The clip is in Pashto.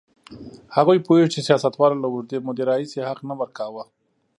هغوی پوهېږي چې سیاستوالو له اوږدې مودې راهیسې حق نه ورکاوه.